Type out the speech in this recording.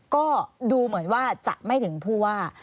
ก็ดูเหมือนว่าจะไม่ถึงผู้ว่า